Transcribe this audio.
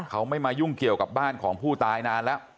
เขาไม่มายุ่งเกี่ยวกับบ้านของผู้ตายนานแล้ว